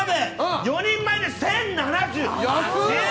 ４人前で１０７８円！